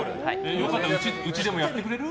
よかったらうちでもやってくれる？